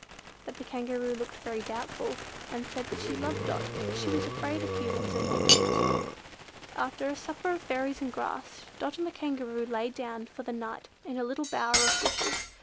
But the Kangaroo looked very doubtful, and said that she loved Dot, but she was afraid of Humans and their dogs. After a supper of berries and grass, Dot and the Kangaroo lay down for the night in a little bower of bushes.